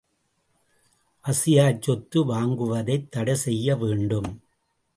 அசையாச் சொத்து வாங்குவதைத் தடை செய்ய வேண்டும்.